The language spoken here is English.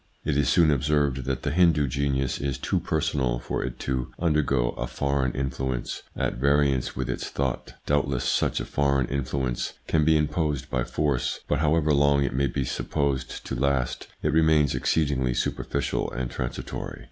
It is soon observed that the Hindu genius is too personal for it to undergo a foreign influence at variance with its thought Doubtless such a foreign influence can be imposed by force ; but however long it may be supposed to last, it remains exceedingly superficial and transitory.